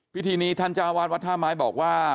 พิธีนี้ท่านเจ้าวาดวัดท่าไม้บอกว่า